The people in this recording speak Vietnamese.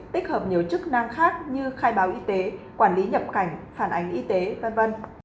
tích hợp nhiều chức năng khác như khai báo y tế quản lý nhập cảnh phản ánh y tế v v